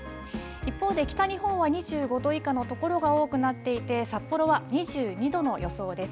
一方で北日本は２５度以下の所が多くなっていて、札幌は２２度の予想です。